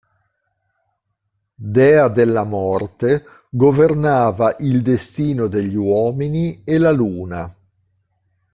Dea della morte, governava il destino degli uomini e la Luna.